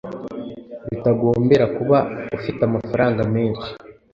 bitagombera kuba ufite amafaranga menshi.